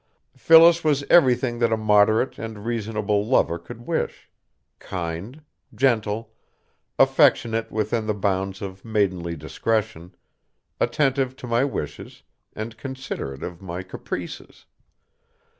Phyllis was everything that a moderate and reasonable lover could wish kind, gentle, affectionate within the bounds of maidenly discretion, attentive to my wishes, and considerate of my caprices.